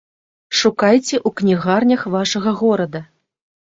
Шукайце ў кнігарнях вашага горада!